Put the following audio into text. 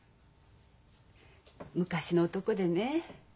昔の男でね